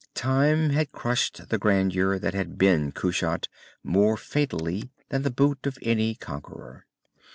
Time had crushed the grandeur that had been Kushat, more fatally than the boots of any conqueror.